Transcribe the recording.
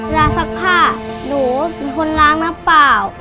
ซักผ้าหนูเป็นคนล้างน้ำเปล่า